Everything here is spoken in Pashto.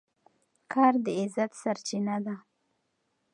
کار د عزت سرچینه ده.